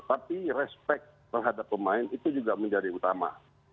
tapi respect terhadap pemain itu juga menjadi utama